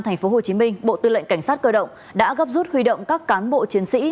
tp hcm bộ tư lệnh cảnh sát cơ động đã gấp rút huy động các cán bộ chiến sĩ